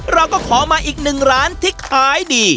เราก็ขอมาอีกหนึ่งร้านที่ขายดี